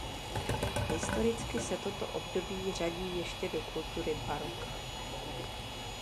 Historicky se toto období řadí ještě do kultury baroka.